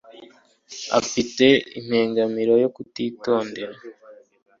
Ufite impengamiro yo kutitondera.